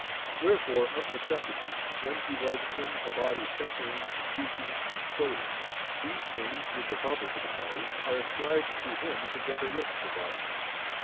Wherefore of necessity when He was in a body suffering, and weeping, and toiling, these things which are proper to the flesh, are ascribed to Him together with the body.